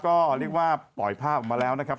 ก็เรียกว่าปล่อยภาพออกมาแล้วนะครับ